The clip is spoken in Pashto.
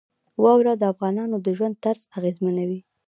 واوره د افغانانو د ژوند طرز اغېزمنوي.